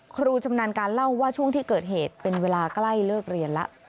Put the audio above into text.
ครูชำนาญการเล่าว่าช่วงที่เกิดเหตุเป็นเวลาใกล้เลิกเรียนแล้ว